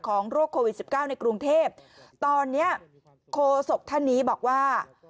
ของโรคโควิด๑๙ในกรุงเทพตอนนี้โคศกท่านนี้บอกว่า